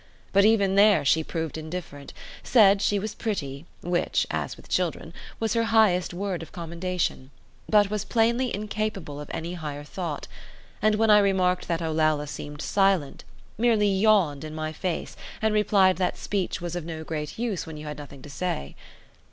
But even there she proved indifferent; said she was pretty, which (as with children) was her highest word of commendation, but was plainly incapable of any higher thought; and when I remarked that Olalla seemed silent, merely yawned in my face and replied that speech was of no great use when you had nothing to say.